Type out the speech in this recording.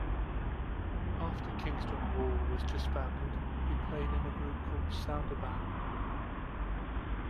After Kingston Wall was disbanded, he played in a group called Saunabadh.